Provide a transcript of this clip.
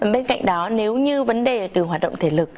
bên cạnh đó nếu như vấn đề từ hoạt động thể lực